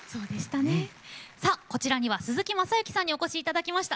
さあこちらには鈴木雅之さんにお越し頂きました。